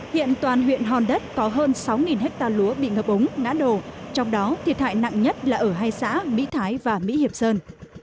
hiện toàn huyện hòn đất có hơn sáu hectare lúa bị ngập ống ngã đổ trong đó thiệt hại nặng nhất là ở hai xã mỹ thái và mỹ hiệp sơn